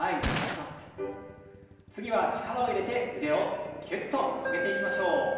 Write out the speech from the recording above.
次は力を入れて腕をきゅっと曲げていきましょう。